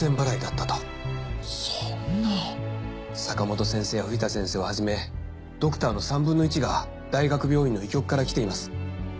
坂本先生や藤田先生をはじめドクターの３分の１が大学病院の医局から来ています。